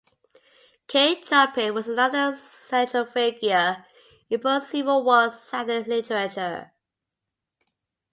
Kate Chopin was another central figure in post-Civil War Southern literature.